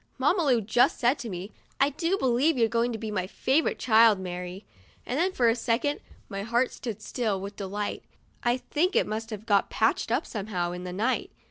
Mamma Lu just said to me, " I do believe you're going to be my favorite child, Mary," and for a second my heart stood still with delight (I think it must have got patched up somehow, in the night).